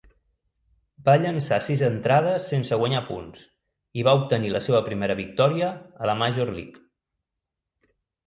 Va llençar sis entrades sense guanyar punts i va obtenir la seva primera victòria a la Major League.